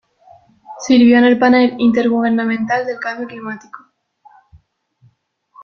Sirvió en el Panel Intergubernamental de Cambio Climático.